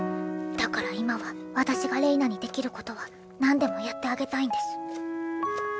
だから今は私がれいなにできることはなんでもやってあげたいんです。